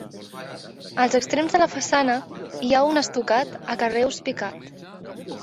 Als extrems de la façana hi ha un estucat a carreus picat.